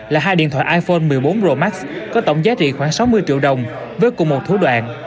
là hai điện thoại iphone một mươi bốn pro max có tổng giá trị khoảng sáu mươi triệu đồng với cùng một thú đoạn